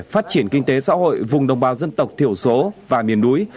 phát triển kinh tế xã hội vùng đồng bào dân tộc thiểu số và miền núi